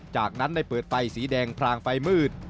จากนั้นได้เปิดไฟสีแดงพรางไฟมืด